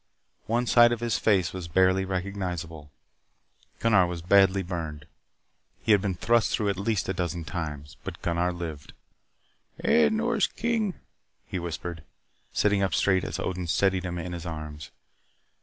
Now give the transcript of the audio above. One side of his face was barely recognizable. Gunnar was badly burned. He had been thrust through at least a dozen times. But Gunnar lived. "Eh, Nors King," he whispered, sitting up straight as Odin steadied him in his arms.